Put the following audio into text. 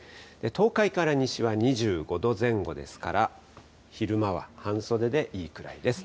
東海から西は２５度前後ですから、昼間は半袖でいいくらいです。